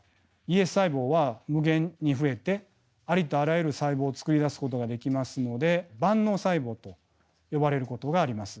ＥＳ細胞は無限に増えてありとあらゆる細胞をつくり出すことができますので万能細胞と呼ばれることがあります。